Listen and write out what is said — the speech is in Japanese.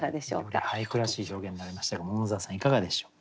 より俳句らしい表現になりましたが桃沢さんいかがでしょう？